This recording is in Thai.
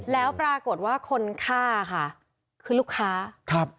แล้วปรากฏว่าคนฆ่าค่ะคือลูกค้าครับ